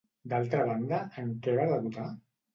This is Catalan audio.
D'altra banda, en què va debutar?